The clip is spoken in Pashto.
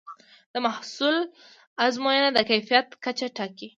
د محصول ازموینه د کیفیت کچه ټاکي.